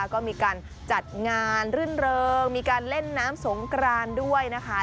ก็มีการจัดงานรื่นเริงมีการเล่นน้ำสงกรานด้วยนะคะ